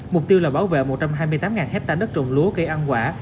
mục tiêu là bảo vệ một trăm hai mươi tám hectare đất trồng lúa cây ăn quả